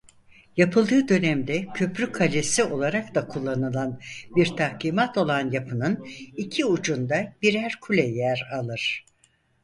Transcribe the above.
Yapıldığı dönemde köprü kalesi olarak da kullanılan bir tahkimat olan yapının iki ucunda birer kule yer alır.